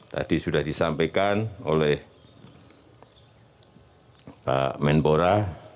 tadi sudah disampaikan oleh pak menpora